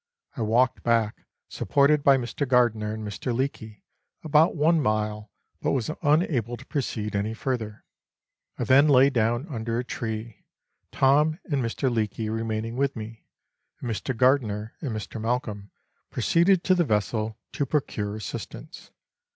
I walked back, supported by Mr. Gardiner and Mr. Leake, about one mile, but was unable to proceed any further. I then lay down under a tree, Tom and Mr. Leake remaining with me, and Mr. Gardiner and Mr. Malcolm proceeded to the vessel, to procure assistance.